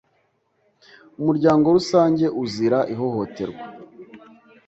umuryango rusange uzira ihohoterwa